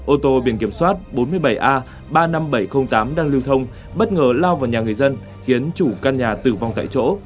ô tô biển kiểm soát bốn mươi bảy a ba mươi năm nghìn bảy trăm linh tám đang lưu thông bất ngờ lao vào nhà người dân khiến chủ căn nhà tử vong tại chỗ